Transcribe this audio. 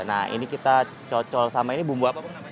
nah ini kita col col sama ini bumbu apa